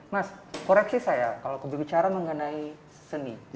mas koreksi saya kalau berbicara mengenai seni